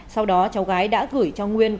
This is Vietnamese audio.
sau đó cháu gái đã thử cho nguyên